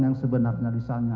yang sebenarnya di sana